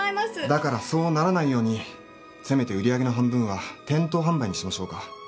だからそうならないようにせめて売り上げの半分は店頭販売にしましょうか。